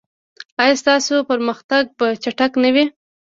ایا ستاسو پرمختګ به چټک نه وي؟